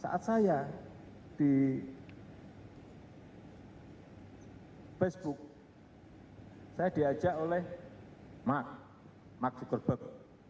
saat saya di facebook saya diajak oleh mark zuckerberg